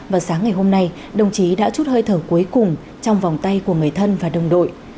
và sáng ngày hôm nay đồng chí đã chút hơi thở cuối cùng trong vòng tay của người thân và đồng đội